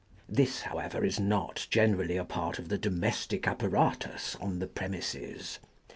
This, however, is not generally a part of the domestic appa ratus on the premises.